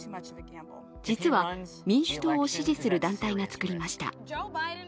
実は民主党を支持する団体が作りました。